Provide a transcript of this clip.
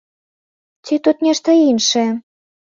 Ці тут нешта іншае?